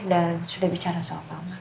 dan sudah bicara soal pak amar